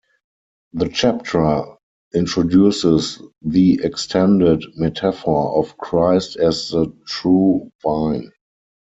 The chapter introduces the extended metaphor of Christ as the true vine.